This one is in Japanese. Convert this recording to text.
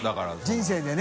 人生でね。